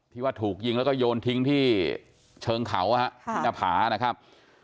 ที่ว่าถูกยิงแล้วก็โยนทิ้งที่เชิงเขานะครับ